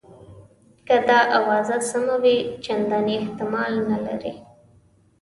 که دا آوازه سمه وي چنداني احتمال نه لري.